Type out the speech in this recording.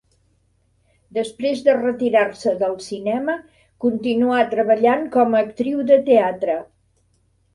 Després de retirar-se del cinema, continuà treballant com a actriu de teatre.